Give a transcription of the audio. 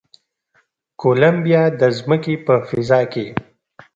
کولمبیا د ځمکې په فضا کې